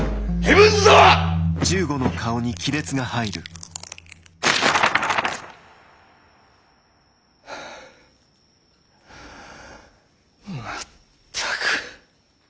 まったく。